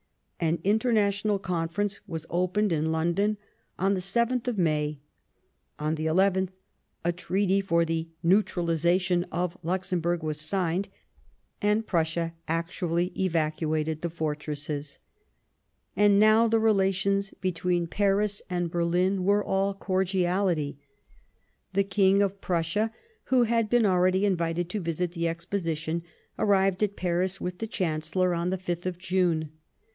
An International Conference was opened in London on the 7th of May ; on the nth, a Treaty for the neutralization of Luxemburg was signed, and Prussia actually evacuated the fortresses. And now the relations between Paris and Berlin 112 Sadowa were all cordiality ; the King of Prussia, who had been already invited to visit the Exposi Journey to tion, arrived at Paris with the Chan P&ris witii William I cellor on the 5th of June.